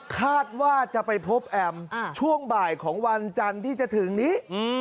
คาดว่าจะไปพบแอมช่วงบ่ายของวันจันทร์ที่จะถึงนี้